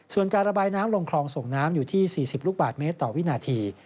ส่วนการระบายน้ำลงคลองส่งน้ำอยู่ที่๔๐ลูกบาทเมตรต่อวินาที